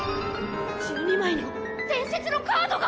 １２枚の伝説のカードが！